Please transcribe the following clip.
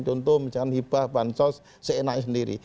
contoh misalkan hibah bansos seenaknya sendiri